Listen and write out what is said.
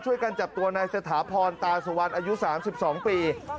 ช่วยกันจับตัวนายสถาพรตาสุวรรณอายุ๓๒ปี